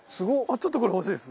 ちょっとこれ欲しいです。